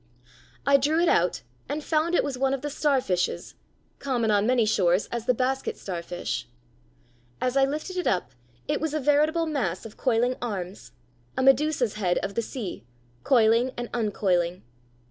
I drew it out and found it was one of the starfishes, common on many shores as the basket starfish (Fig. 47). As I lifted it up it was a veritable mass of coiling arms, a Medusa's head of the sea, coiling and uncoiling.